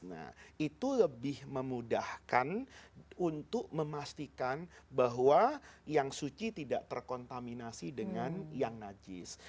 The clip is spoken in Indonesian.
nah itu lebih memudahkan untuk memastikan bahwa yang suci tidak terkontaminasi dengan yang najis